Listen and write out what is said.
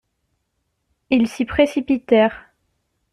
Ils s'y précipitèrent.